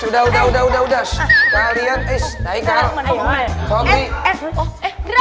udah udah udah udah udah udah udah victor